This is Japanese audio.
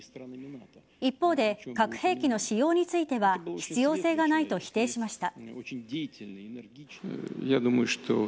一方で核兵器の使用については必要性がないと否定しました。